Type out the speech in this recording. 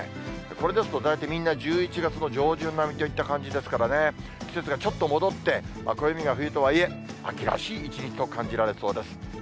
これですと、大体１１月の上旬並みといった感じですからね、季節がちょっと戻って、暦が冬とはいえ、秋らしい一日を感じられそうです。